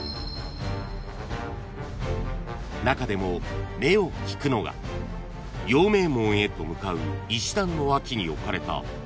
［中でも目を引くのが陽明門へと向かう石段の脇に置かれた鉄の灯籠］